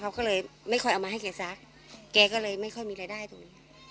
เขาก็เลยไม่ค่อยเอามาให้แกซักแกก็เลยไม่ค่อยมีรายได้ตรงนี้